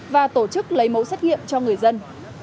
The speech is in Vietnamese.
và tổ chức lấy mẫu xét nghiệm cho người dân